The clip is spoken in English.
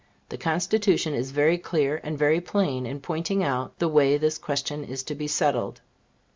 The Constitution is very clear and very plain in pointing out the way this question is to be settled.